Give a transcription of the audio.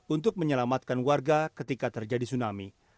untuk menyelamatkan warga ketika terjadi tsunami